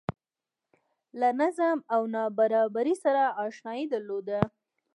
له نظم او نابرابرۍ سره اشنايي درلوده